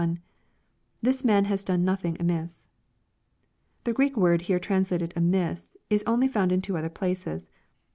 — [This man has done nothing amiss.] The Greek word here transi lated " ambs," is only found in two other places.